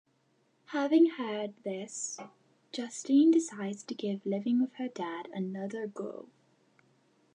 Having heard this, Justine decides to give living with her dad another go.